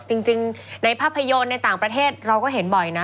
จริงในภาพยนตร์ในต่างประเทศเราก็เห็นบ่อยนะ